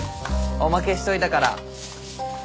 おまけしといたから。